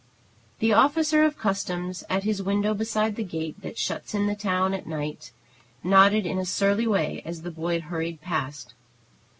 The officer of Customs, at his window beside the gate that shuts in the old town at night, nodded in a surly way as the boy hurried past.